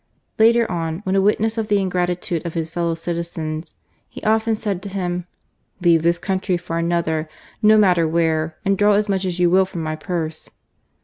Later on, when a witness of the ingratitude of his fellow citizens, he often said to him :" Leave this country for another — no matter where ; and draw as much as you will from my purse."